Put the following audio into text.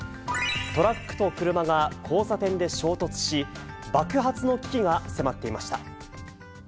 トラックと車が交差点で衝突し、爆発の危機が迫っていました。